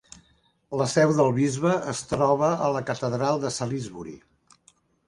La seu del bisbe es troba a la catedral de Salisbury.